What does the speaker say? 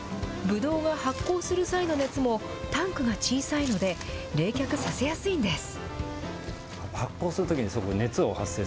ブドウが発酵する際の熱も、タンクが小さいので冷却させやすいんです。